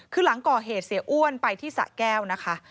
คือหลังก่อเหตุเสียอ้วนไปที่สะแก้วนะคะ